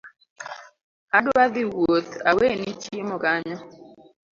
Adwa dhii wuoth aweni chiemo kanyo